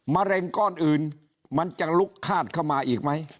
เร็งก้อนอื่นมันจะลุกคาดเข้ามาอีกไหม